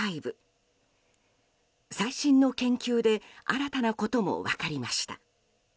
最新の研究で新たなことも分かりました。